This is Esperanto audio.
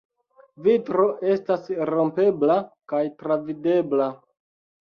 Vitro estas rompebla kaj travidebla.